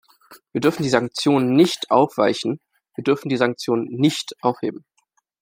Wir dürfen die Sanktionen nicht aufweichen, wir dürfen die Sanktionen nicht aufheben!